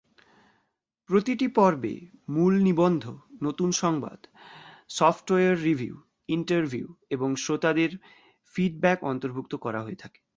প্রতিটি পর্বে মূল নিবন্ধ, নতুন সংবাদ, সফটওয়্যার রিভিউ, ইন্টারভিউ এবং শ্রোতাদের ফিডব্যাক অন্তর্ভুক্ত করা হয়ে থাকে।